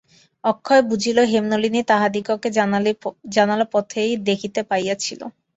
অক্ষয় বুঝিল, হেমনলিনী তাহাদিগকে জানালা দিয়া পথেই দেখিতে পাইয়াছিল।